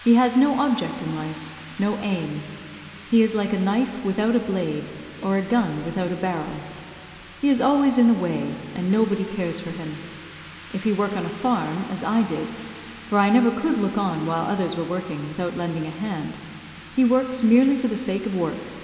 He has no object in life no aim. He is like a knife without a blade, or a gun without a barrel. He is always in the way, and nobody cares for him. If he work on a farm, as I did, for I never could look on while others were working without lending a hand, he works merely for the sake of work.